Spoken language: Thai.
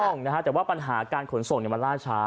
ถูกต้องนะฮะแต่ว่าปัญหาการขนส่งมันล่าช้า